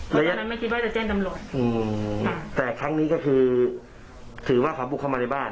เพราะฉะนั้นไม่คิดว่าจะแจ้งตำรวจอืมแต่ครั้งนี้ก็คือถือว่าเขาบุกเข้ามาในบ้าน